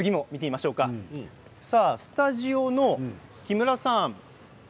スタジオの木村さん